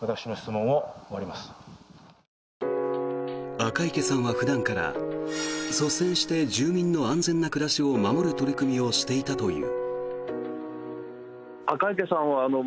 赤池さんは普段から率先して住民の安全な暮らしを守る取り組みをしていたという。